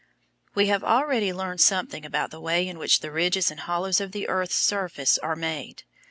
We have already learned something about the way in which the ridges and hollows of the earth's surface are made.